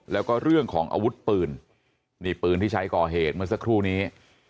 แล้วก็เรื่องของอาวุธปืนนี่ปืนที่ใช้ก่อเหตุเมื่อสักครู่นี้